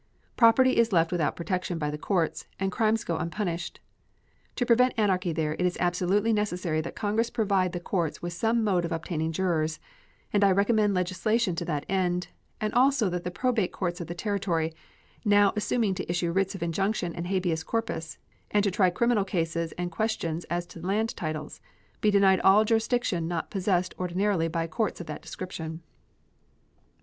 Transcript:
Property is left without protection by the courts, and crimes go unpunished. To prevent anarchy there it is absolutely necessary that Congress provide the courts with some mode of obtaining jurors, and I recommend legislation to that end, and also that the probate courts of the Territory, now assuming to issue writs of injunction and habeas corpus and to try criminal cases and questions as to land titles, be denied all jurisdiction not possessed ordinarily by courts of that description.